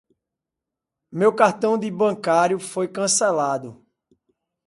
Meu cartão bancário foi cancelado.